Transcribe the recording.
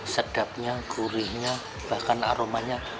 sedapnya gurihnya bahkan aromanya